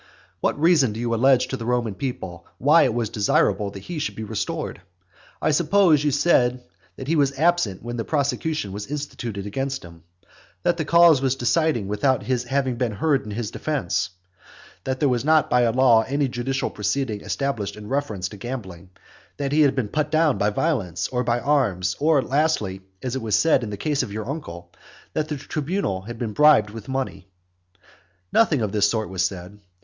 What reason did you allege to the Roman people why it was desirable that he should be restored? I suppose you said that he was absent when the prosecution was instituted against him; that the cause was decided without his having been heard in his defence; that there was not by a law any judicial proceeding established with reference to gambling; that he had been put down by violence or by arms; or lastly, as was said in the case of your uncle, that the tribunal had been bribed with money. Nothing of this sort was said.